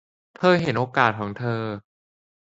เธอเห็นโอกาสของเธอ